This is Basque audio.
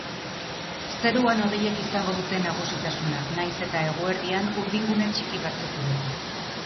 Zeruan hodeiek izango dute nagusitasuna, nahiz eta eguerdian urdingune txiki batzuk ireki.